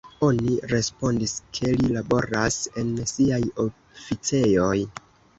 Oni respondis, ke li laboras en siaj oficejoj.